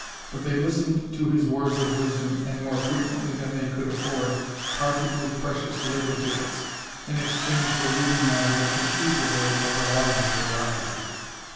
But they listened to his words of wisdom and, more frequently than they could afford, parted with precious labor tickets in exchange for reading matter that was usually of the lighter variety.